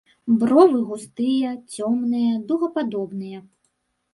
Бровы густыя, цёмныя, дугападобныя.